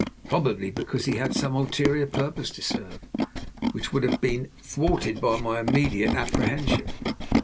Probably because he had some ulterior purpose to serve, which would have been thwarted by my immediate apprehension.